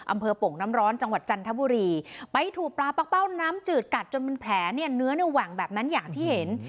โป่งน้ำร้อนจังหวัดจันทบุรีไปถูกปลาปักเป้าน้ำจืดกัดจนเป็นแผลเนี่ยเนื้อเนี่ยแหว่งแบบนั้นอย่างที่เห็น